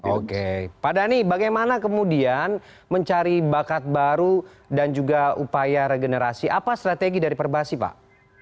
oke pak dhani bagaimana kemudian mencari bakat baru dan juga upaya regenerasi apa strategi dari perbasi pak